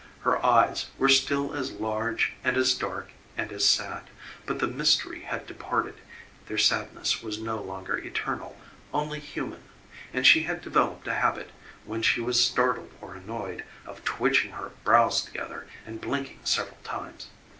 Her eyes were still as large and as dark and as sad, but the mystery had departed; their sadness was no longer eternal, only human, and she had developed a habit, when she was startled or annoyed, of twitching her brows together and blinking several times.